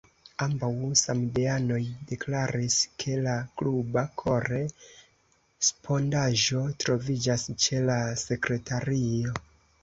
Ambaŭ samideanoj deklaris, ke la kluba kore-spondaĵo troviĝas ĉe la sekretario.